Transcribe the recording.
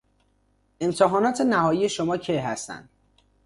امتحانات نهایی شما کی هستند؟